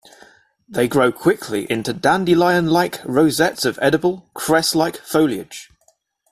They grow quickly into dandelion-like rosettes of edible, cress-like foliage.